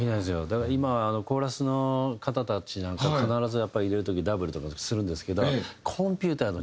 だから今コーラスの方たちなんか必ずやっぱ入れる時ダブルとかでするんですけどコンピューターの時代ですからね。